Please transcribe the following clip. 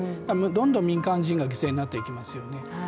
どんどん民間人が犠牲になっていきますよね。